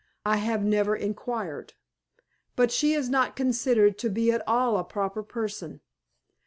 I have never inquired. But she is not considered to be at all a proper person.